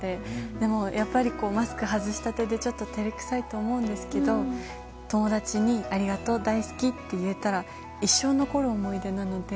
でもやっぱりマスク外したてでちょっと照れ臭いと思うんですけど友達に、ありがとう、大好きって言えたら、一生残る思い出なので。